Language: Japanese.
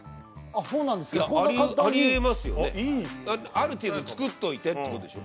ある程度造っといてっていうことでしょ？